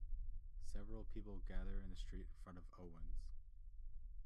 Several people gather in the street in front of Owen 's.